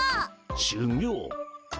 しゅぎょう。